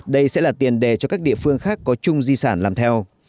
đây sẽ là tiền đề cho các địa phương khác có chung di sản làm theo